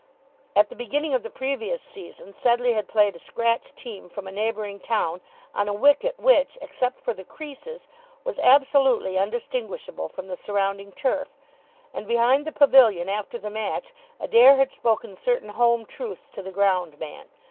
At the beginning of the previous season Sedleigh had played a scratch team from a neighbouring town on a wicket which, except for the creases, was absolutely undistinguishable from the surrounding turf, and behind the pavilion after the match Adair had spoken certain home truths to the ground man.